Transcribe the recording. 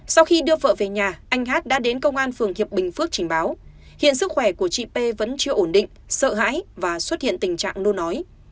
sau khi đưa vợ về nhà anh hát đã đến công an phường hiệp bình phước trình báo hiện sức khỏe của chị p vẫn chưa ổn định sợ hãi và xuất hiện tình trạng nô nói